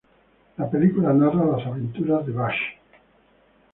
La película narra las aventuras de Vash.